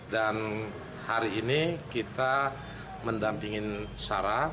dan hari ini kita mendampingin sarah